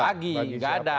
bagi tidak ada